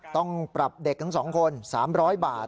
ต้องปรับเด็กทั้ง๒คน๓๐๐บาท